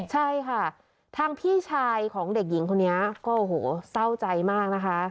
ใช่ค่ะทางพี่ชายของเด็กหญิงคนนี้ก็โอ้โหเศร้าใจมากนะคะ